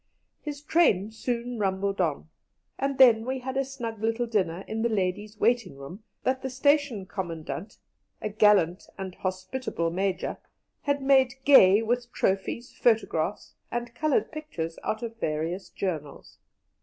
His train soon rumbled on, and then we had a snug little dinner in the ladies' waiting room that the Station Commandant, a gallant and hospitable Major, had made gay with trophies, photographs, and coloured pictures out of various journals.